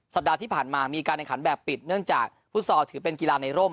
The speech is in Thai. สัปดาห์ที่ผ่านมามีการแข่งขันแบบปิดเนื่องจากฟุตซอลถือเป็นกีฬาในร่ม